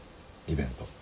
イベント。